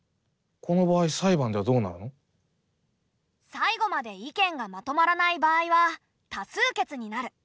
最後まで意見がまとまらない場合は多数決になる。